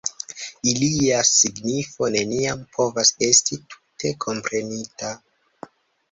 Ilia signifo neniam povas esti tute komprenita.